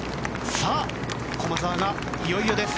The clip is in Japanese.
さあ、駒澤がいよいよです